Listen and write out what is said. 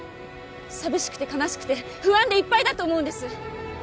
寂しくて悲しくて不安でいっぱいだと思うんです